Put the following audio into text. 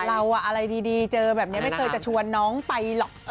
อะไรดีเจอแบบนี้ไม่เคยจะชวนน้องไปหรอก